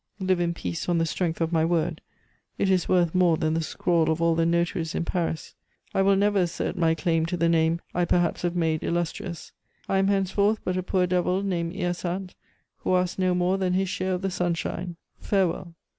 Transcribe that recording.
Live in peace on the strength of my word; it is worth more than the scrawl of all the notaries in Paris. I will never assert my claim to the name I perhaps have made illustrious. I am henceforth but a poor devil named Hyacinthe, who asks no more than his share of the sunshine. Farewell!"